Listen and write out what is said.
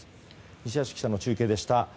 西橋記者の中継でした。